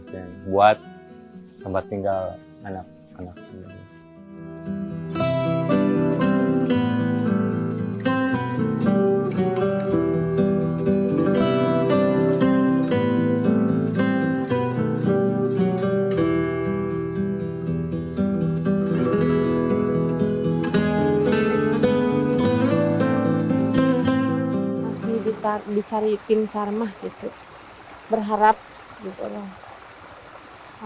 dan buat tempat tinggal anak anak saya yang sudah berada di rumah saya